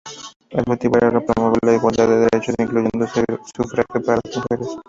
El objetivo era promover la igualdad de derechos, incluyendo el sufragio para las mujeres.